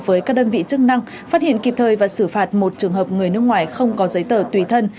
với các đơn vị chức năng phát hiện kịp thời và xử phạt một trường hợp người nước ngoài không có giấy tờ tùy thân